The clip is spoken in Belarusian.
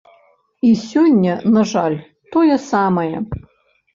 І сёння, на жаль, тое самае.